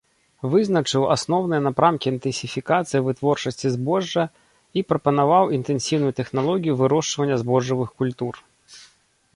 Вызначыў асноўныя напрамкі інтэнсіфікацыі вытворчасці збожжа і прапанаваў інтэнсіўную тэхналогію вырошчвання збожжавых культур.